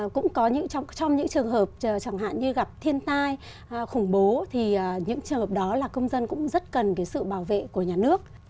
cũng trong những trường hợp chẳng hạn như gặp thiên tai khủng bố thì những trường hợp đó là công dân cũng rất cần sự bảo vệ của nhà nước